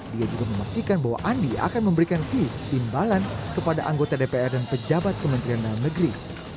dia juga memastikan bahwa andi akan memberikan ketimbalan kepada anggota dpr dan pejabat kementerian dalam negeri